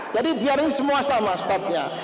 jadi biarkan semua sama stopnya